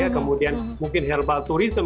kemudian mungkin herbal tourism